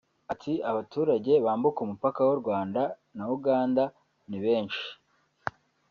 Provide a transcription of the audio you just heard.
Ati “Abaturage bambuka umupaka w’u Rwanda na Uganda ni benshi